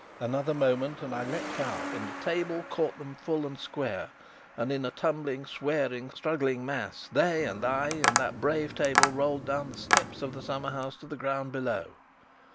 Another moment, and I leapt out and the table caught them full and square, and in a tumbling, swearing, struggling mass, they and I and that brave table, rolled down the steps of the summerhouse to the ground below.